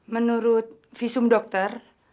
menurut visum dokter